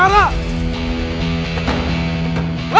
woy jangan kabur lo